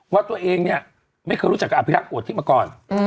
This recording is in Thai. ว่าตัวเองเนี่ยไม่เคยรู้จักกับอภิรักษ์ปวดที่มาก่อน